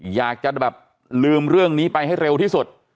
อยากจะแบบลืมเรื่องนี้ไปให้เร็วที่สุด